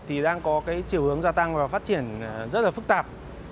thì đang có cái chiều hướng gia tăng và phát triển rất là phức tạp